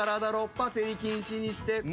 パセリ禁止にして。